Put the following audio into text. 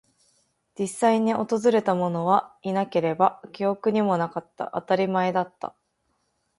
実際に訪れたものはいなければ、記憶にもなかった。当たり前だった。